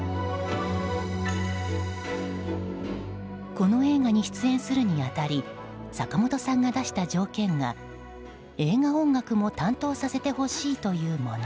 この映画に出演するに当たり坂本さんが出した条件が映画音楽も担当させてほしいというもの。